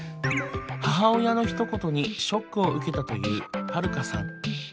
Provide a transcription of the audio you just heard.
母親のひと言にショックを受けたというハルカさん。